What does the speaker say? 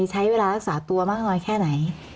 ใช้เวลารักษาตัวมากน้อยแค่ไหน